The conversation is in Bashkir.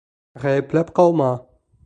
Ғәйепләп ҡалма.